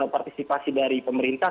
partisipasi dari pemerintah